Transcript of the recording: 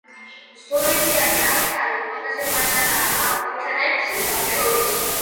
ზოლებიანი აფთარი ყველაზე პატარაა აფთრებს შორის.